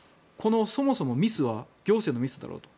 そもそもこのミスは行政のミスだろうと。